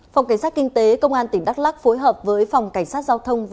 phòng cảnh sát kinh tế công an tỉnh đắk lắc phối hợp với phòng cảnh sát giao thông và